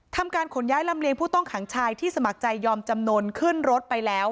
การขนย้ายลำเลียงผู้ต้องขังชายที่สมัครใจยอมจำนวนขึ้นรถไปแล้ว